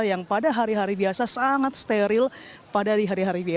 yang pada hari hari biasa sangat steril pada hari hari biasa